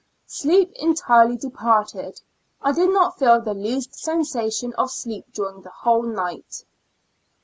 Sleep entirely departed ; I did not feel the least sensation of sleep during the whole night.